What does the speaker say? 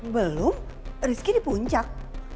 belum rizky di puncak